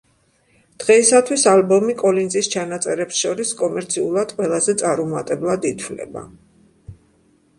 დღეისათვის ალბომი კოლინზის ჩანაწერებს შორის კომერციულად ყველაზე წარუმატებლად ითვლება.